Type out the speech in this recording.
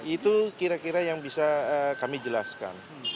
itu kira kira yang bisa kami jelaskan